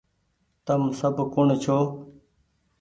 تم سب ڪوٚڻ ڇو